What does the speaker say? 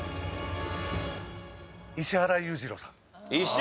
石原裕次郎さん